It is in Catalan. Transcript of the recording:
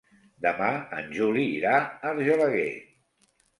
Demà en Juli irà a Argelaguer.